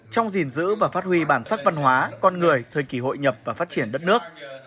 trong gìn giữ và phát huy bản sắc văn hóa con người thời kỳ hội nhập và phát triển đất nước